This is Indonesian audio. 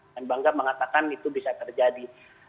dan bangga mengatakan itu bisa terjadi